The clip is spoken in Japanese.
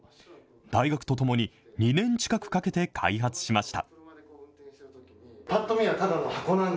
大学とともに２年近くかけて開発しました。